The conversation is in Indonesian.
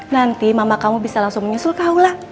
nanti mama kamu bisa langsung menyusul ke aula